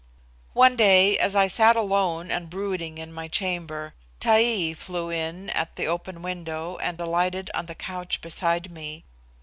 One day, as I sat alone and brooding in my chamber, Taee flew in at the open window and alighted on the couch beside me.